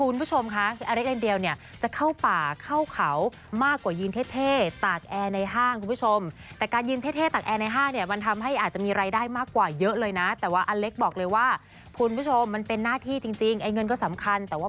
เราทำงานกับพี่กลมป่าหมายเยอะ